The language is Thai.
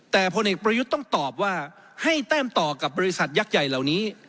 แต่พลเอกประยุทธ์ต้องตอบว่าให้แต้มต่อกับบริษัทยักษ์ใหญ่เหล่านี้